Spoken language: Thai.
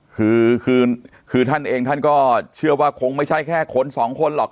คือคือท่านเองท่านก็เชื่อว่าคงไม่ใช่แค่คนสองคนหรอก